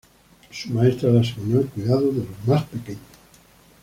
Su maestra le asignó el cuidado de los más pequeños.